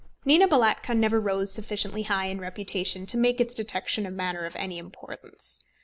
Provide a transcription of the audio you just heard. Nina Balatka never rose sufficiently high in reputation to make its detection a matter of any importance.